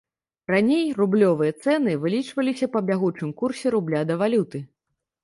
Раней рублёвыя цэны вылічваліся па бягучым курсе рубля да валюты.